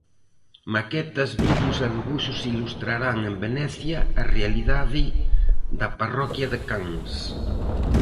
Maquetas, vídeos e debuxos ilustrarán en Venecia a realidade da parroquia de Cans.